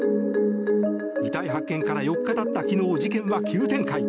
遺体発見から４日経った昨日事件は急展開。